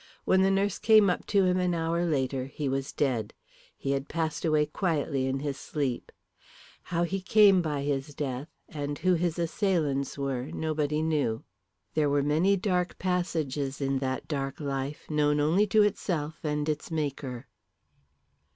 When the nurse came up to him an hour later he was dead. He had passed away quietly in his sleep. How he came by his death, and who his assailants were nobody knew. There were many dark passages in that dark life known only to itself and its Maker.